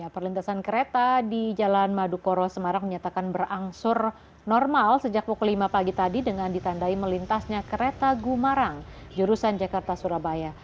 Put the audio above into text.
perlintasan kereta di jalan madukoro semarang menyatakan berangsur normal sejak pukul lima pagi tadi dengan ditandai melintasnya kereta gumarang jurusan jakarta surabaya